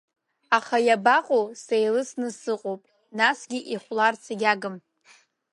Аха иабаҟоу сеилысны сыҟоуп, насгьы ихәларц егьагым.